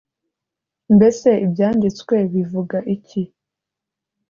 Mbese Ibyanditswe bivuga iki?